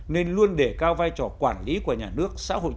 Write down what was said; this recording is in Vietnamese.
nên luôn để cao vai trò quản lý của nó